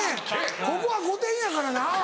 ここは『御殿‼』やからな！